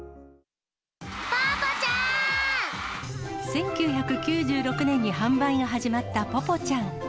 １９９６年に販売が始まったぽぽちゃん。